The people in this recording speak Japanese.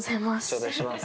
頂戴します。